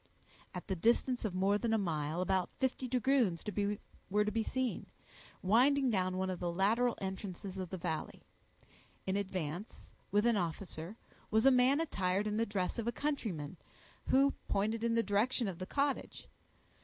At the distance of more than a mile, about fifty dragoons were to be seen, winding down one of the lateral entrances of the valley. In advance, with an officer, was a man attired in the dress of a countryman, who pointed in the direction of the cottage.